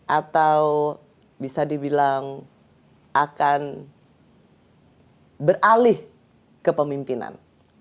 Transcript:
atau bisa dibilang akan beralih ke pemimpinan